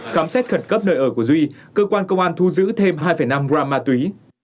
khám xét khẩn cấp nơi ở của duy cơ quan công an thu giữ thêm hai năm gram ma túy